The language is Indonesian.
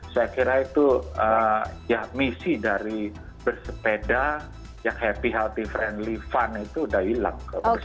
saya kira itu ya misi dari bersepeda yang happy healthy friendly fund itu udah hilang